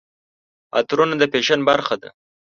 عطرونه د فیشن برخه ده.